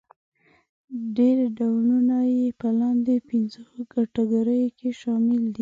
ډېری ډولونه يې په لاندې پنځو کټګوریو کې شامل دي.